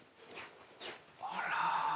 「あら！」